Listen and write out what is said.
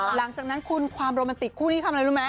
หลังจากนั้นคุณความโรแมนติกคู่นี้ทำอะไรรู้ไหม